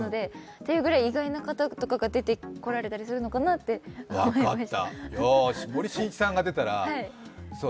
ていうぐらい意外な方とかが出てこられるのかなと思いました。